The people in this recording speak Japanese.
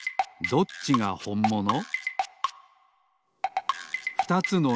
どっちがほんもの？